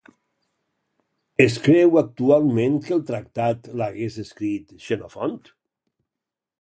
Es creu actualment que el tractat l'hagués escrit Xenofont?